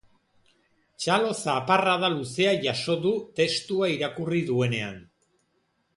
Txalo zaparrada luzea jaso du testua irakurri duenean.